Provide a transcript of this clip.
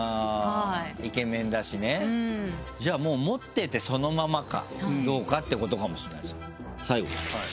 イケメンだしねじゃあもう持っててそのままかどうかってことかもしれない最後です。